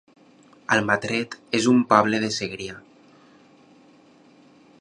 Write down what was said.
Almatret es un poble del Segrià